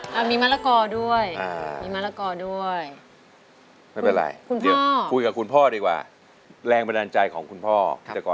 พริกมะนาวมะนาวมะนาวมีอะไรอีกลูก